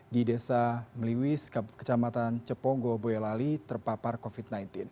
di desa meliwis kecamatan ceponggo boyolali terpapar covid sembilan belas